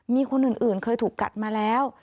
มีคนอื่นเคยถูกกัดมาแล้ว